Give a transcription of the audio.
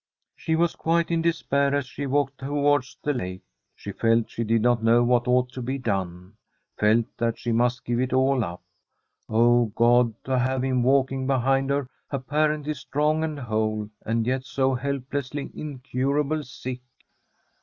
She was quite in despair as she walked towards the lake. She felt she did not know what ought to be done — felt that she must give it all up. Oh, God, to have him walking behind her ap parently strong and hale, and yet so helplessly, incurably sick